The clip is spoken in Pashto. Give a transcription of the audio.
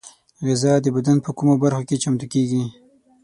غذا د بدن په کومو برخو کې چمتو کېږي؟